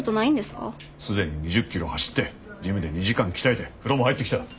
すでに２０ｋｍ走ってジムで２時間鍛えて風呂も入ってきた。